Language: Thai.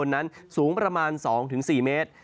นั้นสูงประมาณ๒๔เมตร